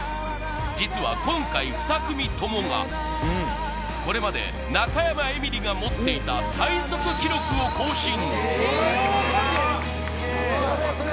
実は今回２組ともがこれまで中山エミリが持っていた最速記録を更新！